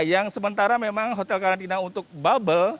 yang sementara memang hotel karantina untuk bubble